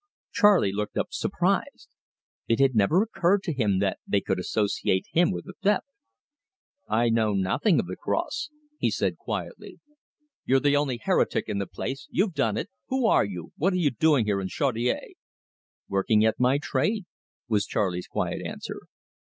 Charley looked up, surprised. It had never occurred to him that they could associate him with the theft. "I know nothing of the cross," he said quietly. "You're the only heretic in the place. You've done it. Who are you? What are you doing here in Chaudiere?" "Working at my trade," was Charley's quiet answer.